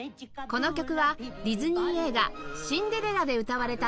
この曲はディズニー映画『シンデレラ』で歌われた挿入歌